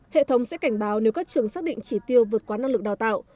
hệ thống sẽ cảnh báo nếu các trường xác định chỉ tiêu vượt quá năng lực đào tạo